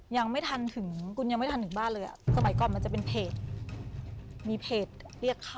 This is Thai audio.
ยังไม่ทันถึงบ้านเลยอะหมายความว่ามันจะเป็นเพจ